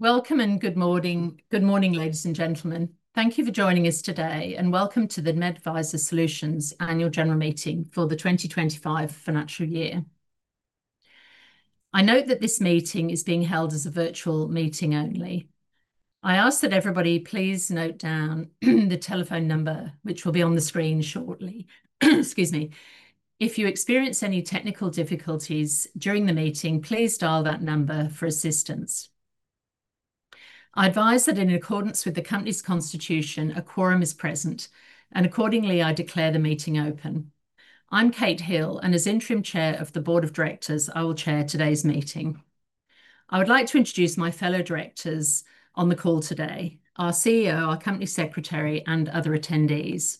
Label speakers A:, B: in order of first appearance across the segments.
A: Welcome and good morning. Good morning, ladies and gentlemen. Thank you for joining us today, and welcome to the MedAdvisor Solutions Annual General Meeting for the 2025 financial year. I note that this meeting is being held as a virtual meeting only. I ask that everybody please note down the telephone number, which will be on the screen shortly. Excuse me. If you experience any technical difficulties during the meeting, please dial that number for assistance. I advise that in accordance with the company's constitution, a quorum is present, and accordingly, I declare the meeting open. I'm Kate Hill, and as Interim Chair of the Board of Directors, I will chair today's meeting. I would like to introduce my fellow directors on the call today: our CEO, our Company Secretary, and other attendees.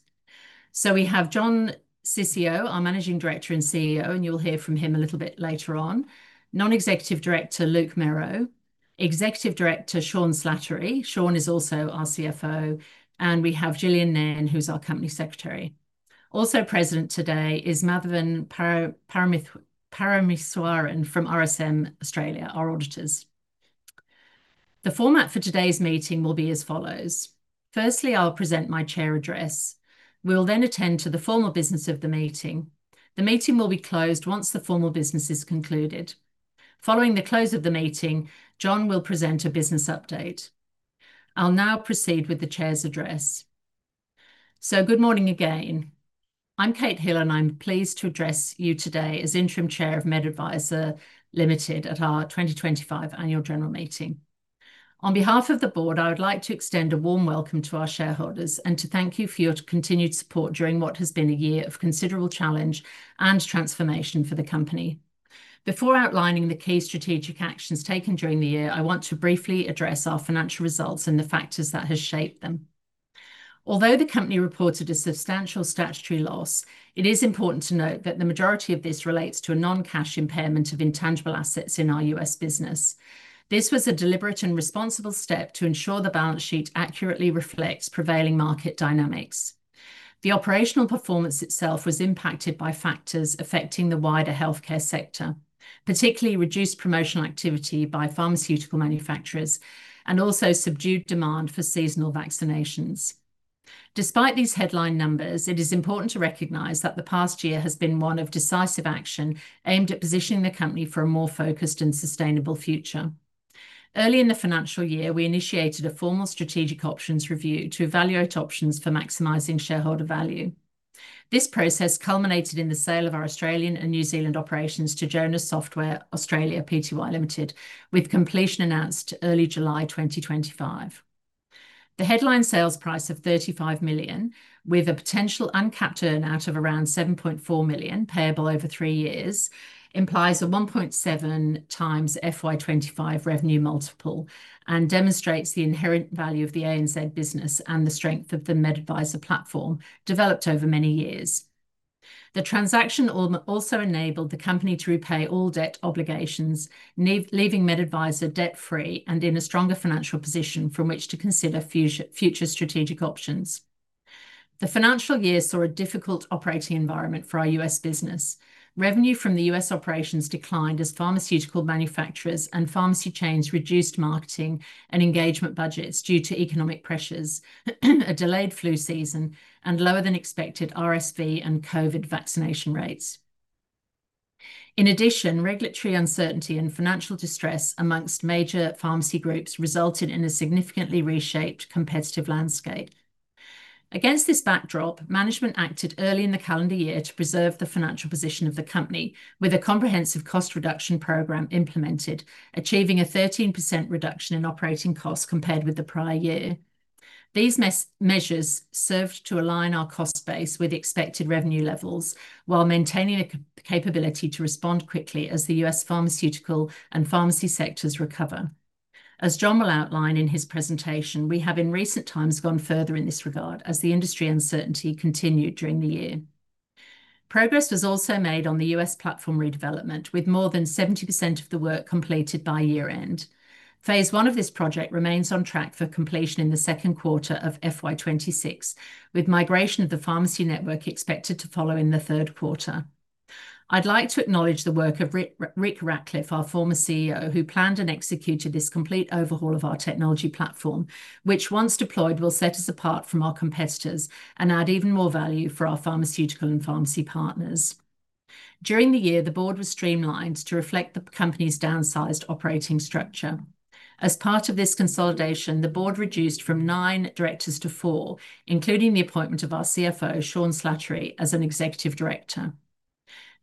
A: We have John Ciccio, our Managing Director and CEO, and you'll hear from him a little bit later on, Non-Executive Director Luke Merrow, Executive Director Sean Slattery. Sean is also our CFO, and we have Gillian Nairn, who's our Company Secretary. Also present today is Mathavan Parameswaran from RSM Australia, our auditors. The format for today's meeting will be as follows. Firstly, I'll present my Chair address. We'll then attend to the formal business of the meeting. The meeting will be closed once the formal business is concluded. Following the close of the meeting, John will present a business update. I'll now proceed with the Chair's address. Good morning again. I'm Kate Hill, and I'm pleased to address you today as Interim Chair of MedAdvisor Limited at our 2025 Annual General Meeting. On behalf of the board, I would like to extend a warm welcome to our shareholders and to thank you for your continued support during what has been a year of considerable challenge and transformation for the company. Before outlining the key strategic actions taken during the year, I want to briefly address our financial results and the factors that have shaped them. Although the company reported a substantial statutory loss, it is important to note that the majority of this relates to a non-cash impairment of intangible assets in our U.S. business. This was a deliberate and responsible step to ensure the balance sheet accurately reflects prevailing market dynamics. The operational performance itself was impacted by factors affecting the wider healthcare sector, particularly reduced promotional activity by pharmaceutical manufacturers and also subdued demand for seasonal vaccinations. Despite these headline numbers, it is important to recognize that the past year has been one of decisive action aimed at positioning the company for a more focused and sustainable future. Early in the financial year, we initiated a formal strategic options review to evaluate options for maximizing shareholder value. This process culminated in the sale of our Australian and New Zealand operations to Jonas Software Australia Pty Ltd, with completion announced early July 2025. The headline sales price of 35 million, with a potential uncapped earnout of around 7.4 million payable over three years, implies a 1.7x FY 2025 revenue multiple and demonstrates the inherent value of the ANZ business and the strength of the MedAdvisor platform developed over many years. The transaction also enabled the company to repay all debt obligations, leaving MedAdvisor debt-free and in a stronger financial position from which to consider future strategic options. The financial year saw a difficult operating environment for our U.S. business. Revenue from the U.S. operations declined as pharmaceutical manufacturers and pharmacy chains reduced marketing and engagement budgets due to economic pressures, a delayed flu season, and lower than expected RSV and COVID vaccination rates. In addition, regulatory uncertainty and financial distress amongst major pharmacy groups resulted in a significantly reshaped competitive landscape. Against this backdrop, management acted early in the calendar year to preserve the financial position of the company, with a comprehensive cost reduction program implemented, achieving a 13% reduction in operating costs compared with the prior year. These measures served to align our cost base with expected revenue levels while maintaining a capability to respond quickly as the U.S. pharmaceutical and pharmacy sectors recover. As John will outline in his presentation, we have in recent times gone further in this regard as the industry uncertainty continued during the year. Progress was also made on the U.S. platform redevelopment, with more than 70% of the work completed by year-end. Phase one of this project remains on track for completion in the second quarter of FY26, with migration of the pharmacy network expected to follow in the third quarter. I'd like to acknowledge the work of Rick Ratliff, our former CEO, who planned and executed this complete overhaul of our technology platform, which, once deployed, will set us apart from our competitors and add even more value for our pharmaceutical and pharmacy partners. During the year, the board was streamlined to reflect the company's downsized operating structure. As part of this consolidation, the board reduced from nine directors to four, including the appointment of our CFO, Sean Slattery, as an Executive Director.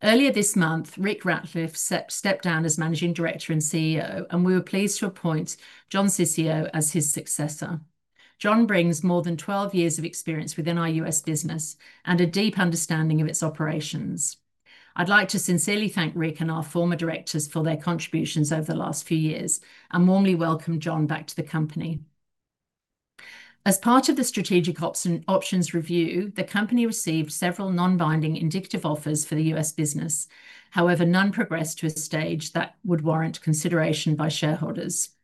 A: Earlier this month, Rick Ratliff stepped down as Managing Director and CEO, and we were pleased to appoint John Ciccio as his successor. John brings more than 12 years of experience within our U.S. business and a deep understanding of its operations. I'd like to sincerely thank Rick and our former directors for their contributions over the last few years and warmly welcome John back to the company. As part of the strategic options review, the company received several non-binding indicative offers for the U.S. business. However, none progressed to a stage that would warrant consideration by shareholders.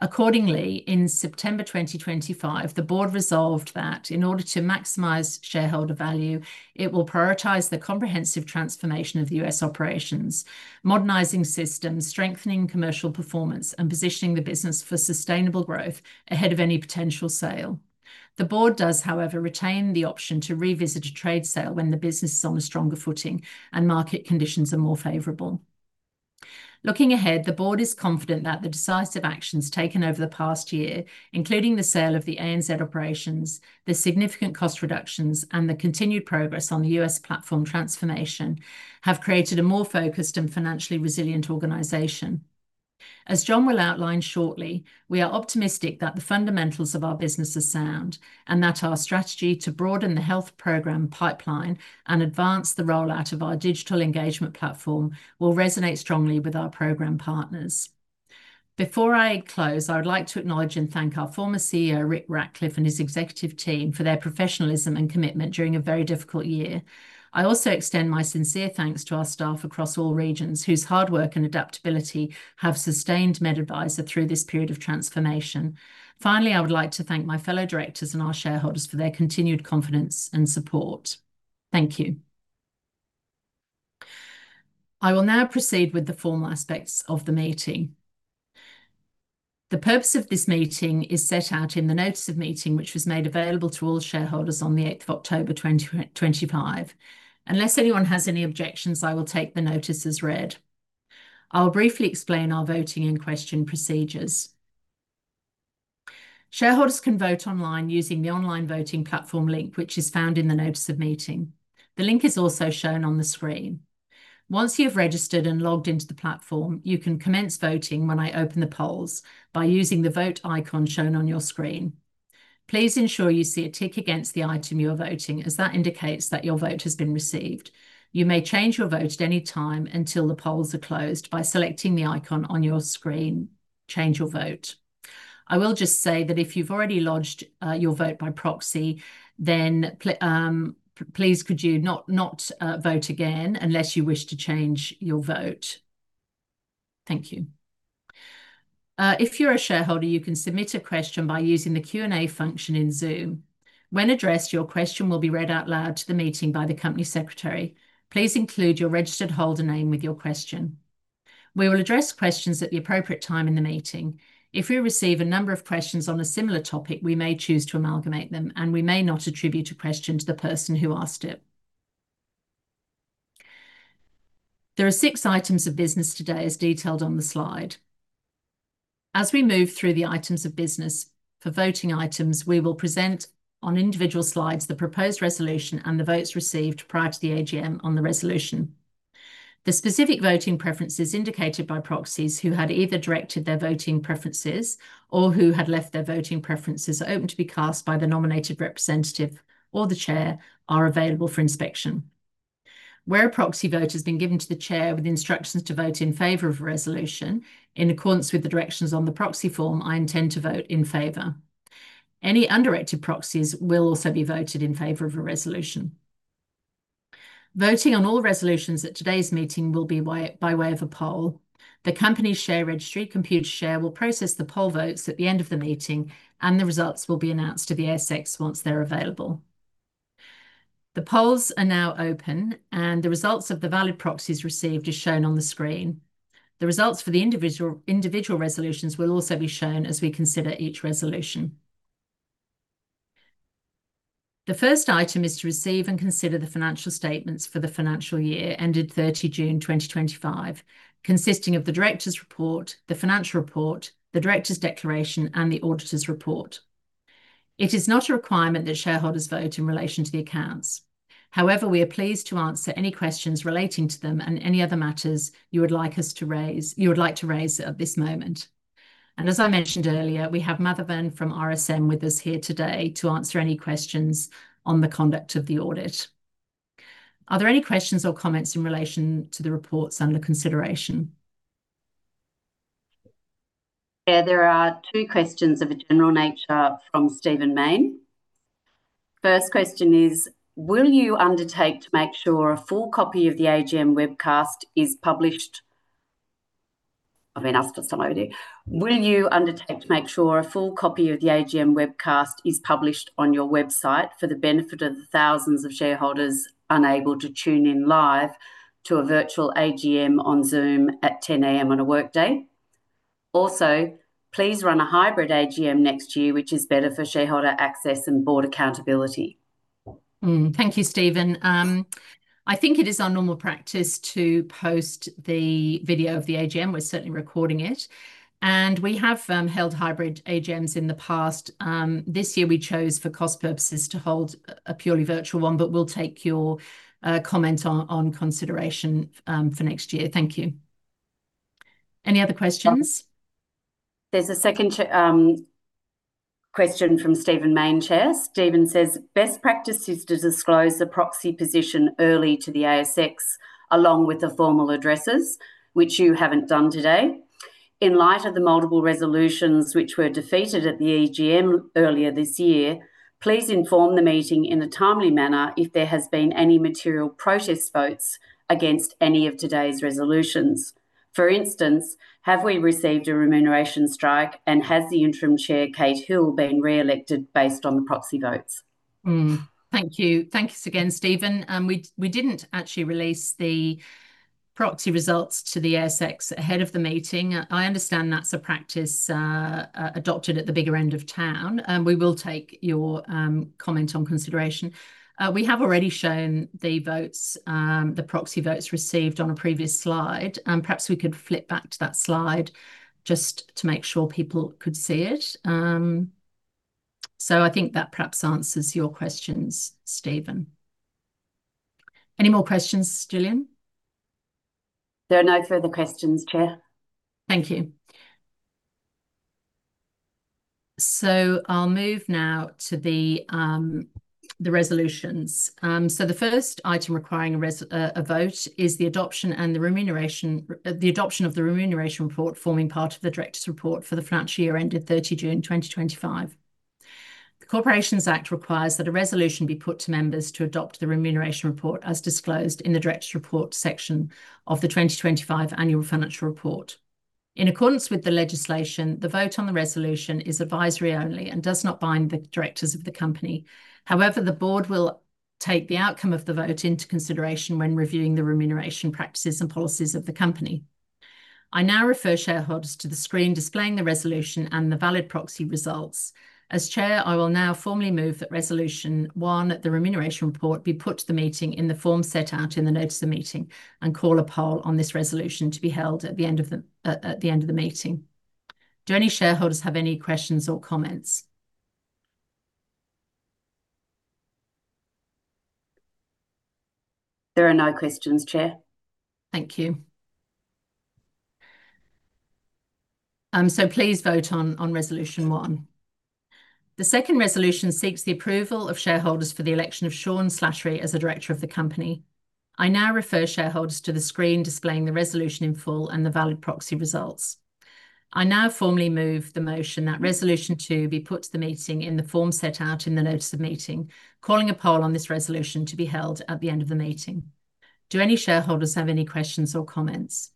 A: Accordingly, in September 2025, the board resolved that in order to maximize shareholder value, it will prioritize the comprehensive transformation of the U.S. operations, modernizing systems, strengthening commercial performance, and positioning the business for sustainable growth ahead of any potential sale. The board does, however, retain the option to revisit a trade sale when the business is on a stronger footing and market conditions are more favorable. Looking ahead, the board is confident that the decisive actions taken over the past year, including the sale of the ANZ operations, the significant cost reductions, and the continued progress on the U.S. platform transformation, have created a more focused and financially resilient organization. As John will outline shortly, we are optimistic that the fundamentals of our business are sound and that our strategy to broaden the health program pipeline and advance the rollout of our digital engagement platform will resonate strongly with our program partners. Before I close, I would like to acknowledge and thank our former CEO, Rick Ratliff, and his executive team for their professionalism and commitment during a very difficult year. I also extend my sincere thanks to our staff across all regions whose hard work and adaptability have sustained MedAdvisor through this period of transformation. Finally, I would like to thank my fellow directors and our shareholders for their continued confidence and support. Thank you. I will now proceed with the formal aspects of the meeting. The purpose of this meeting is set out in the notice of meeting, which was made available to all shareholders on the 8th of October 2025. Unless anyone has any objections, I will take the notice as read. I'll briefly explain our voting and question procedures. Shareholders can vote online using the online voting platform link, which is found in the notice of meeting. The link is also shown on the screen. Once you have registered and logged into the platform, you can commence voting when I open the polls by using the vote icon shown on your screen. Please ensure you see a tick against the item you are voting, as that indicates that your vote has been received. You may change your vote at any time until the polls are closed by selecting the icon on your screen. Change your vote. I will just say that if you've already lodged your vote by proxy, then please could you not vote again unless you wish to change your vote. Thank you. If you're a shareholder, you can submit a question by using the Q&A function in Zoom. When addressed, your question will be read out loud to the meeting by the company secretary. Please include your registered holder name with your question. We will address questions at the appropriate time in the meeting. If we receive a number of questions on a similar topic, we may choose to amalgamate them, and we may not attribute a question to the person who asked it. There are six items of business today, as detailed on the slide. As we move through the items of business for voting items, we will present on individual slides the proposed resolution and the votes received prior to the AGM on the resolution. The specific voting preferences indicated by proxies who had either directed their voting preferences or who had left their voting preferences open to be cast by the nominated representative or the chair are available for inspection. Where a proxy vote has been given to the chair with instructions to vote in favor of a resolution in accordance with the directions on the proxy form, I intend to vote in favor. Any undirected proxies will also be voted in favor of a resolution. Voting on all resolutions at today's meeting will be by way of a poll. The company's share registry, Computershare, will process the poll votes at the end of the meeting, and the results will be announced to the ASX once they're available. The polls are now open, and the results of the valid proxies received are shown on the screen. The results for the individual resolutions will also be shown as we consider each resolution. The first item is to receive and consider the financial statements for the financial year ended 30 June 2025, consisting of the directors' report, the financial report, the directors' declaration, and the auditor's report. It is not a requirement that shareholders vote in relation to the accounts. However, we are pleased to answer any questions relating to them and any other matters you would like us to raise at this moment. As I mentioned earlier, we have Mathavan from RSM with us here today to answer any questions on the conduct of the audit. Are there any questions or comments in relation to the reports under consideration?
B: Yeah, there are two questions of a general nature from Stephen Mayne. First question is, will you undertake to make sure a full copy of the AGM webcast is published? I've been asked this already. Will you undertake to make sure a full copy of the AGM webcast is published on your website for the benefit of the thousands of shareholders unable to tune in live to a virtual AGM on Zoom at 10:00 A.M. on a workday? Also, please run a hybrid AGM next year, which is better for shareholder access and board accountability.
A: Thank you, Stephen. I think it is our normal practice to post the video of the AGM. We're certainly recording it, and we have held hybrid AGMs in the past. This year, we chose for cost purposes to hold a purely virtual one, but we'll take your comment on consideration for next year. Thank you. Any other questions?
B: There's a second question from Stephen Mayne. Stephen says, best practice is to disclose the proxy position early to the ASX along with the formal addresses, which you haven't done today. In light of the multiple resolutions which were defeated at the AGM earlier this year, please inform the meeting in a timely manner if there has been any material protest votes against any of today's resolutions. For instance, have we received a remuneration strike, and has the Interim Chair, Kate Hill, been re-elected based on the proxy votes?
A: Thank you. Thank you again, Stephen. We didn't actually release the proxy results to the ASX ahead of the meeting. I understand that's a practice adopted at the bigger end of town, and we will take your comment on consideration. We have already shown the votes, the proxy votes received on a previous slide, and perhaps we could flip back to that slide just to make sure people could see it. I think that perhaps answers your questions, Stephen. Any more questions, Gillian?
B: There are no further questions, Chair.
A: Thank you. I'll move now to the resolutions. The first item requiring a vote is the adoption of the remuneration report forming part of the director's report for the financial year ended 30 June 2025. The Corporations Act requires that a resolution be put to members to adopt the remuneration report as disclosed in the director's report section of the 2025 annual financial report. In accordance with the legislation, the vote on the resolution is advisory only and does not bind the directors of the company. However, the board will take the outcome of the vote into consideration when reviewing the remuneration practices and policies of the company. I now refer shareholders to the screen displaying the resolution and the valid proxy results. As Chair, I will now formally move that Resolution 1 at the remuneration report be put to the meeting in the form set out in the notice of meeting and call a poll on this resolution to be held at the end of the meeting. Do any shareholders have any questions or comments?
B: There are no questions, Chair.
A: Thank you. Please vote on Resolution 1. The second resolution seeks the approval of shareholders for the election of Sean Slattery as a director of the company. I now refer shareholders to the screen displaying the resolution in full and the valid proxy results. I now formally move the motion that resolution two be put to the meeting in the form set out in the notice of meeting, calling a poll on this resolution to be held at the end of the meeting. Do any shareholders have any questions or comments?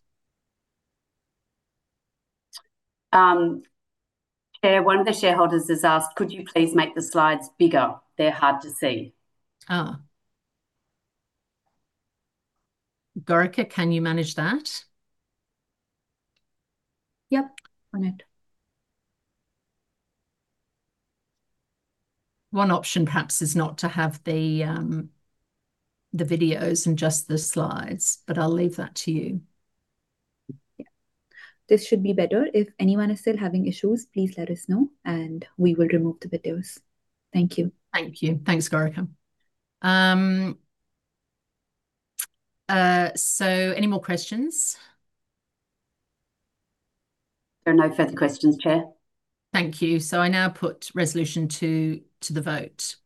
B: Chair, one of the shareholders has asked, could you please make the slides bigger? They're hard to see.
A: Oh. Gorka, can you manage that?
C: Yep, on it.
A: One option perhaps is not to have the videos and just the slides, but I'll leave that to you.
C: This should be better. If anyone is still having issues, please let us know, and we will remove the videos. Thank you. Thank you.
A: Thanks, Gorka. Any more questions?
B: There are no further questions, Chair.
A: Thank you. I now put Resolution 2 to the vote.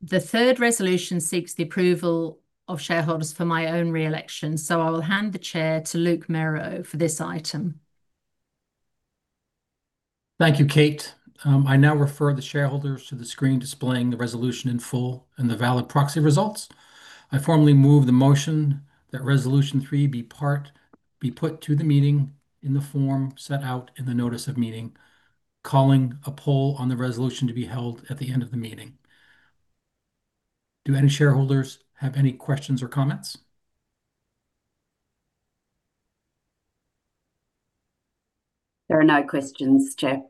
A: The third resolution seeks the approval of shareholders for my own re-election, so I will hand the chair to Luke Merrow for this item.
D: Thank you, Kate. I now refer the shareholders to the screen displaying the resolution in full and the valid proxy results. I formally move the motion that resolution three be put to the meeting in the form set out in the notice of meeting, calling a poll on the resolution to be held at the end of the meeting. Do any shareholders have any questions or comments?
B: There are no questions, Chair.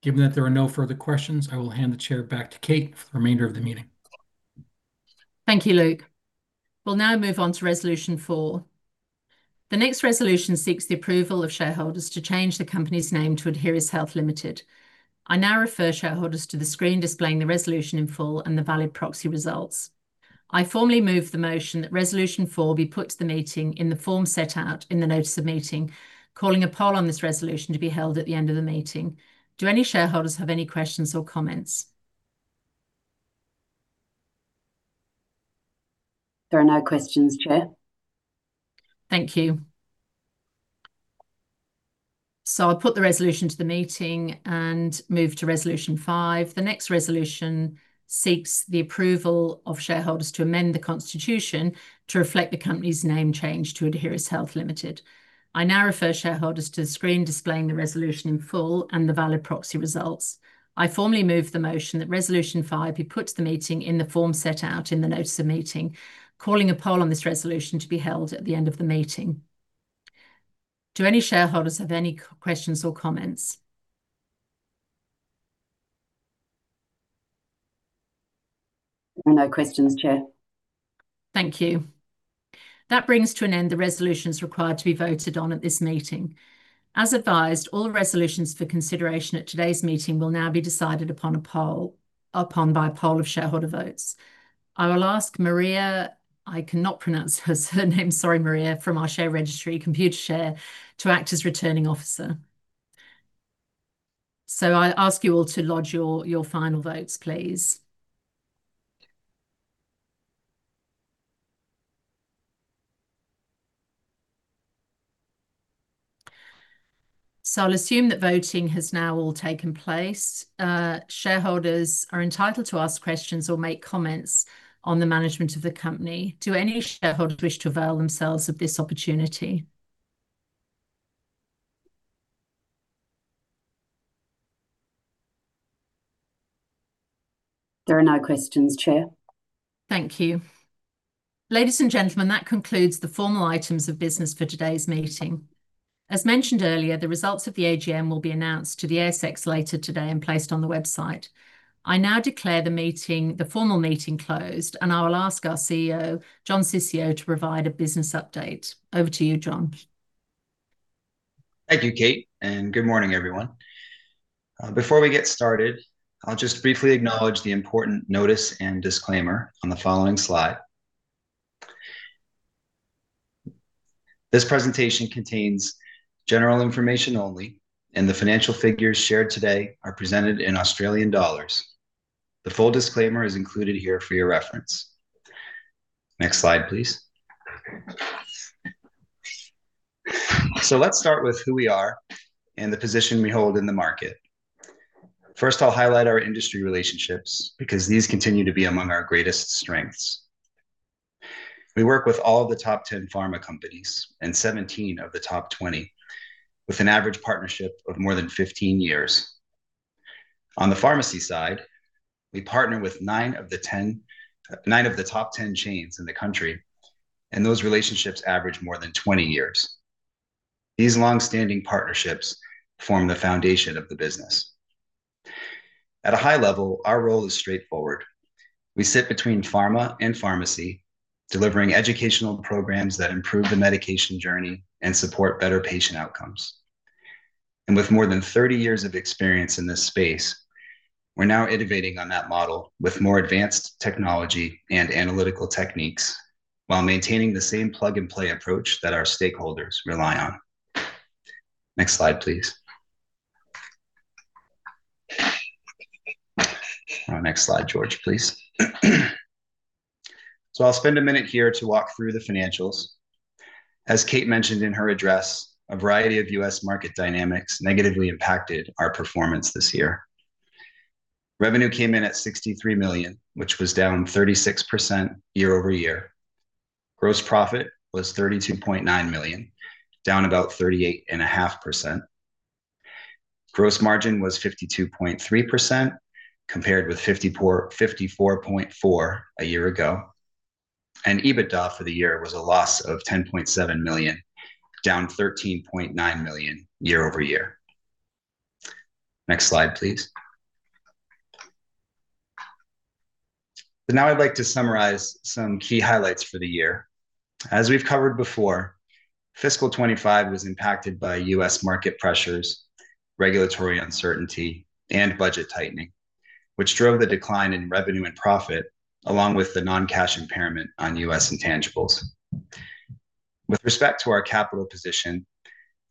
D: Given that there are no further questions, I will hand the Chair back to Kate for the remainder of the meeting.
A: Thank you, Luke. We'll now move on to Resolution 4. The next resolution seeks the approval of shareholders to change the company's name to Adheris Health Limited. I now refer shareholders to the screen displaying the resolution in full and the valid proxy results. I formally move the motion that resolution four be put to the meeting in the form set out in the notice of meeting, calling a poll on this resolution to be held at the end of the meeting. Do any shareholders have any questions or comments?
B: There are no questions, Chair.
A: Thank you. I'll put the resolution to the meeting and move to Resolution five. The next resolution seeks the approval of shareholders to amend the constitution to reflect the company's name change to Adheris Health Limited. I now refer shareholders to the screen displaying the resolution in full and the valid proxy results. I formally move the motion that resolution five be put to the meeting in the form set out in the notice of meeting, calling a poll on this resolution to be held at the end of the meeting. Do any shareholders have any questions or comments?
B: There are no questions, Chair.
A: Thank you. That brings to an end the resolutions required to be voted on at this meeting. As advised, all resolutions for consideration at today's meeting will now be decided upon by a poll of shareholder votes. I will ask Maria, I cannot pronounce her name, sorry, Maria, from our share registry, Computershare, to act as returning officer. I ask you all to lodge your final votes, please. I assume that voting has now all taken place. Shareholders are entitled to ask questions or make comments on the management of the company. Do any shareholders wish to avail themselves of this opportunity?
B: There are no questions, Chair.
A: Thank you. Ladies and gentlemen, that concludes the formal items of business for today's meeting. As mentioned earlier, the results of the AGM will be announced to the ASX later today and placed on the website. I now declare the meeting, the formal meeting closed, and I will ask our CEO, John Ciccio, to provide a business update. Over to you, John.
E: Thank you, Kate, and good morning, everyone. Before we get started, I'll just briefly acknowledge the important notice and disclaimer on the following slide. This presentation contains general information only, and the financial figures shared today are presented in AUD. The full disclaimer is included here for your reference. Next slide, please. Let's start with who we are and the position we hold in the market. First, I'll highlight our industry relationships because these continue to be among our greatest strengths. We work with all of the top 10 pharma companies and 17 of the top 20, with an average partnership of more than 15 years. On the pharmacy side, we partner with nine of the top 10 chains in the country, and those relationships average more than 20 years. These long-standing partnerships form the foundation of the business. At a high level, our role is straightforward. We sit between pharma and pharmacy, delivering educational programs that improve the medication journey and support better patient outcomes. With more than 30 years of experience in this space, we're now innovating on that model with more advanced technology and analytical techniques while maintaining the same plug-and-play approach that our stakeholders rely on. Next slide, please. Next slide, George, please. I'll spend a minute here to walk through the financials. As Kate mentioned in her address, a variety of U.S. market dynamics negatively impacted our performance this year. Revenue came in at 63 million, which was down 36% year over year. Gross profit was 32.9 million, down about 38.5%. Gross margin was 52.3% compared with 54.4% a year ago. EBITDA for the year was a loss of 10.7 million, down 13.9 million year over year. Next slide, please. I would like to summarize some key highlights for the year. As we have covered before, fiscal 2025 was impacted by U.S. market pressures, regulatory uncertainty, and budget tightening, which drove the decline in revenue and profit along with the non-cash impairment on U.S. intangibles. With respect to our capital position,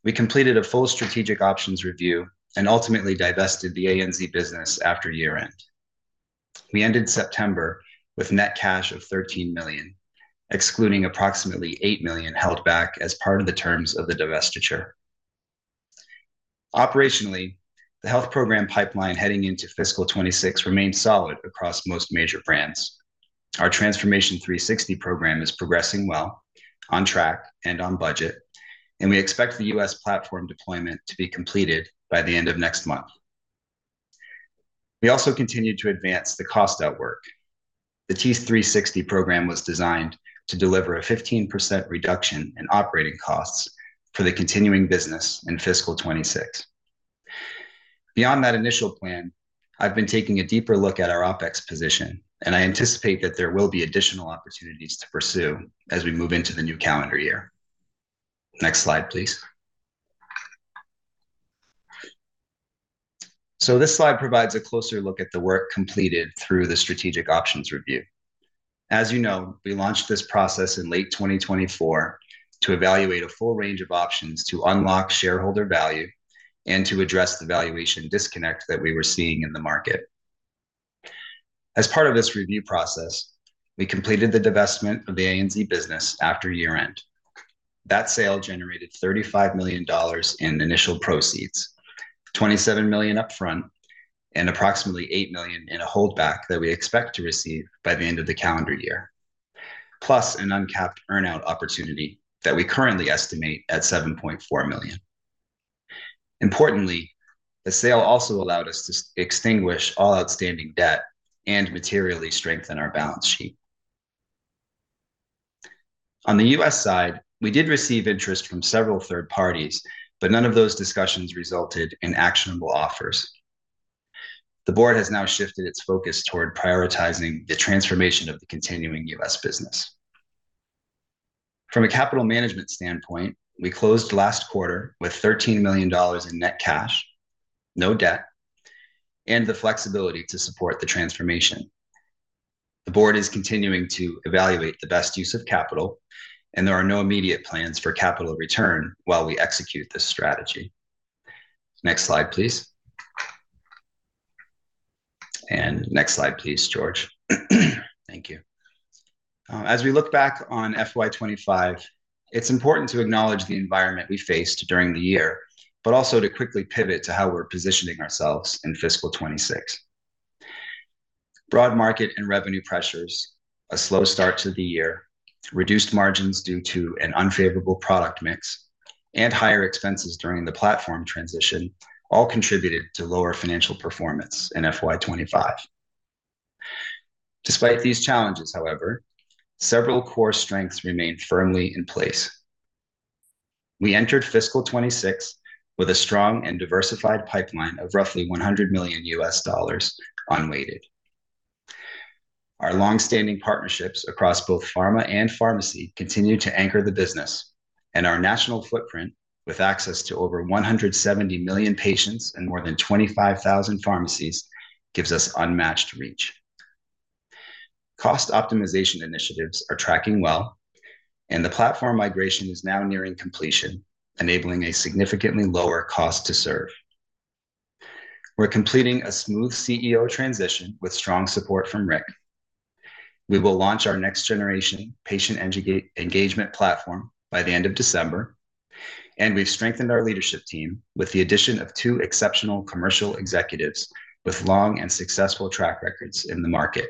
E: we completed a full strategic options review and ultimately divested the ANZ business after year-end. We ended September with net cash of 13 million, excluding approximately 8 million held back as part of the terms of the divestiture. Operationally, the health program pipeline heading into fiscal 2026 remained solid across most major brands. Our Transformation 360 program is progressing well, on track and on budget, and we expect the U.S. platform deployment to be completed by the end of next month. We also continue to advance the cost outwork. The T360 program was designed to deliver a 15% reduction in operating costs for the continuing business in fiscal 2026. Beyond that initial plan, I've been taking a deeper look at our OpEx position, and I anticipate that there will be additional opportunities to pursue as we move into the new calendar year. Next slide, please. This slide provides a closer look at the work completed through the strategic options review. As you know, we launched this process in late 2024 to evaluate a full range of options to unlock shareholder value and to address the valuation disconnect that we were seeing in the market. As part of this review process, we completed the divestment of the ANZ business after year end. That sale generated 35 million dollars in initial proceeds, 27 million upfront, and approximately 8 million in a holdback that we expect to receive by the end of the calendar year, plus an uncapped earnout opportunity that we currently estimate at 7.4 million. Importantly, the sale also allowed us to extinguish all outstanding debt and materially strengthen our balance sheet. On the U.S. side, we did receive interest from several third parties, but none of those discussions resulted in actionable offers. The board has now shifted its focus toward prioritizing the transformation of the continuing U.S. business. From a capital management standpoint, we closed last quarter with 13 million dollars in net cash, no debt, and the flexibility to support the transformation. The board is continuing to evaluate the best use of capital, and there are no immediate plans for capital return while we execute this strategy. Next slide, please. Next slide, please, George. Thank you. As we look back on FY25, it's important to acknowledge the environment we faced during the year, but also to quickly pivot to how we're positioning ourselves in fiscal 2026. Broad market and revenue pressures, a slow start to the year, reduced margins due to an unfavorable product mix, and higher expenses during the platform transition all contributed to lower financial performance in FY25. Despite these challenges, however, several core strengths remain firmly in place. We entered fiscal 2026 with a strong and diversified pipeline of roughly $100 million U.S. dollars unweighted. Our long-standing partnerships across both pharma and pharmacy continue to anchor the business, and our national footprint with access to over 170 million patients and more than 25,000 pharmacies gives us unmatched reach. Cost optimization initiatives are tracking well, and the platform migration is now nearing completion, enabling a significantly lower cost to serve. We're completing a smooth CEO transition with strong support from Rick. We will launch our next-generation patient engagement platform by the end of December, and we've strengthened our leadership team with the addition of two exceptional commercial executives with long and successful track records in the market.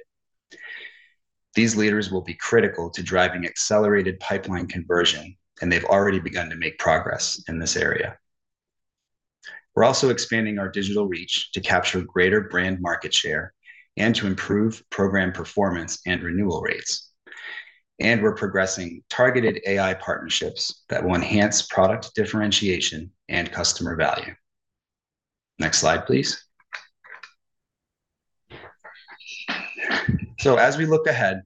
E: These leaders will be critical to driving accelerated pipeline conversion, and they've already begun to make progress in this area. We're also expanding our digital reach to capture greater brand market share and to improve program performance and renewal rates. We're progressing targeted AI partnerships that will enhance product differentiation and customer value. Next slide, please. As we look ahead,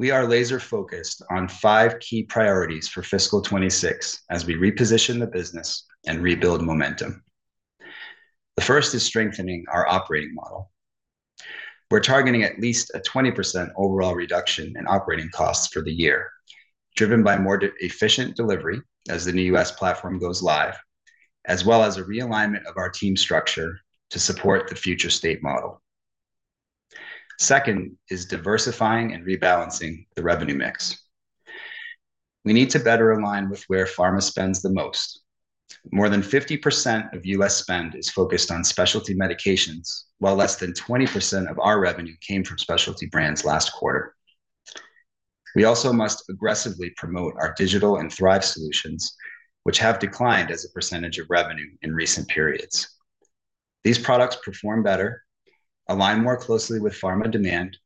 E: we are laser-focused on five key priorities for fiscal 2026 as we reposition the business and rebuild momentum. The first is strengthening our operating model. We're targeting at least a 20% overall reduction in operating costs for the year, driven by more efficient delivery as the new U.S. platform goes live, as well as a realignment of our team structure to support the future state model. Second is diversifying and rebalancing the revenue mix. We need to better align with where pharma spends the most. More than 50% of U.S. spend is focused on specialty medications, while less than 20% of our revenue came from specialty brands last quarter. We also must aggressively promote our digital and THRiV solutions, which have declined as a percentage of revenue in recent periods. These products perform better, align more closely with pharma demand,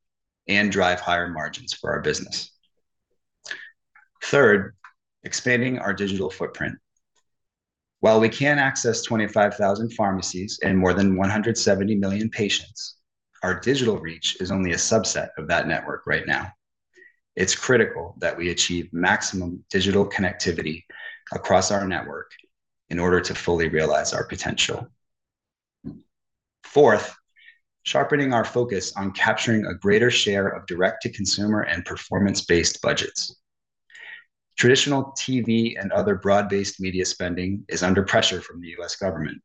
E: and drive higher margins for our business. Third, expanding our digital footprint. While we can access 25,000 pharmacies and more than 170 million patients, our digital reach is only a subset of that network right now. It is critical that we achieve maximum digital connectivity across our network in order to fully realize our potential. Fourth, sharpening our focus on capturing a greater share of direct-to-consumer and performance-based budgets. Traditional TV and other broad-based media spending is under pressure from the U.S. government,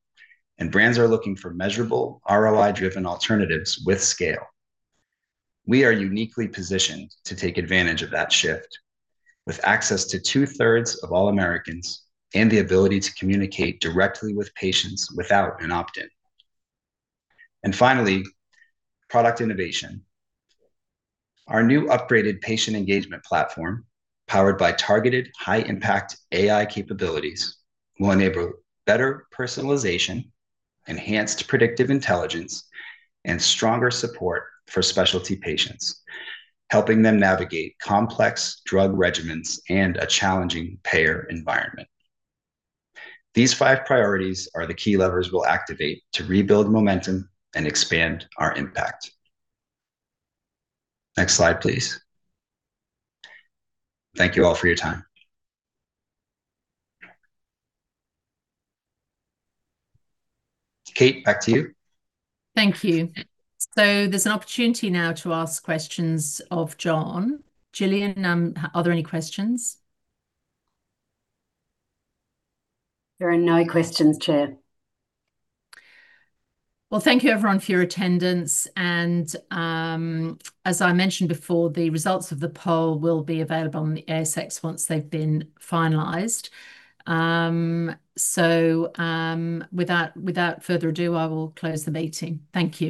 E: and brands are looking for measurable ROI-driven alternatives with scale. We are uniquely positioned to take advantage of that shift, with access to two-thirds of all Americans and the ability to communicate directly with patients without an opt-in. Finally, product innovation. Our new upgraded patient engagement platform, powered by targeted high-impact AI capabilities, will enable better personalization, enhanced predictive intelligence, and stronger support for specialty patients, helping them navigate complex drug regimens and a challenging payer environment. These five priorities are the key levers we'll activate to rebuild momentum and expand our impact. Next slide, please. Thank you all for your time. Kate, back to you.
A: Thank you. There is an opportunity now to ask questions of John. Gillian, are there any questions?
B: There are no questions, Chair.
A: Thank you, everyone, for your attendance. As I mentioned before, the results of the poll will be available on the ASX once they've been finalized. Without further ado, I will close the meeting. Thank you.